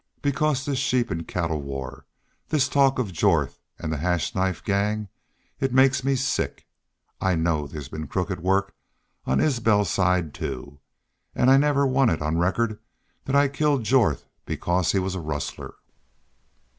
Because this sheep an' cattle war this talk of Jorth an' the Hash Knife Gang it makes me, sick. I KNOW there's been crooked work on Isbel's side, too. An' I never want it on record thet I killed Jorth because he was a rustler."